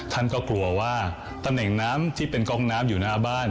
ท่านก็กลัวว่าตำแหน่งน้ำที่เป็นกองน้ำอยู่หน้าบ้าน